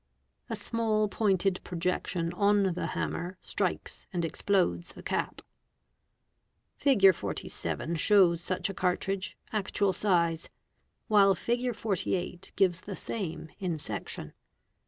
A small pointed "projection on the hammer strikes and explodes the cap. Fig. 48. 4 Figure 47 shows such a cartridge, actual size; while Fig. 48 gives he same in section.